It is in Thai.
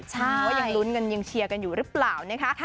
ใช่ว่ายังลุ้นกันยังเชียร์กันอยู่หรือเปล่านะคะ